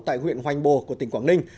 tại huyện hoành bồ của tỉnh quảng ninh